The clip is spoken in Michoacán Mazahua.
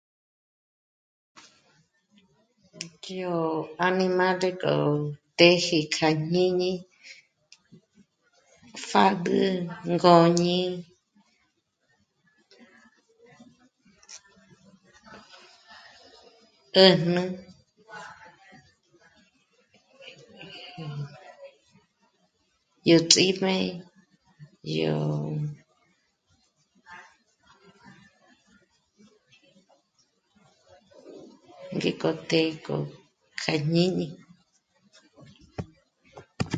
Yó animále k'o téji k'a ìjñíni: pjâdül, ngôñi, 'ä̀jnä, yó ts'íjme, yó rí k'oté'ek'o kjajñíni